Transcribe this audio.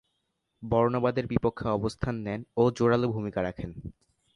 বর্ণবাদের বিপক্ষে অবস্থান নেন ও জোড়ালো ভূমিকা রাখেন।